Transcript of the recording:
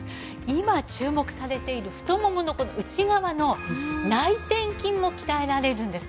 今注目されている太もものこの内側の内転筋も鍛えられるんです。